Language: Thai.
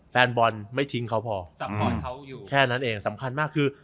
แฟนบอลไม่ทิ้งเขาพอแค่นั้นเองสำคัญมากคือ